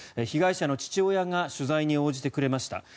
被害者の父親が取材に応じてくれました。